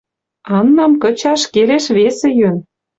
Аннам кычаш келеш весӹ йӧн.